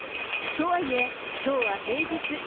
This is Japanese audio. とはいえ、きょうは平日。